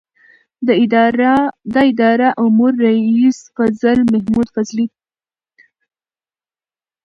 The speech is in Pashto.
د اداره امور رئیس فضل محمود فضلي